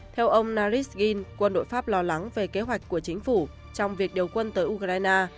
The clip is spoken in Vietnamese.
theo ông narisin quân đội pháp lo lắng về kế hoạch của chính phủ trong việc điều quân tới ukraine